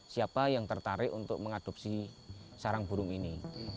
siapa yang tertarik untuk mengadopsi sarang burung ini